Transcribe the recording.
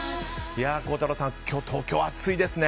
孝太郎さん、今日、東京暑いですね。